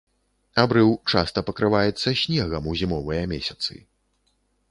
Абрыў часта пакрываецца снегам ў зімовыя месяцы.